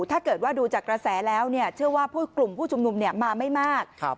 ถ้าเกิดว่าดูจากกระแสแล้วเชื่อว่ากลุ่มผู้ชุมนุมมาไม่มาก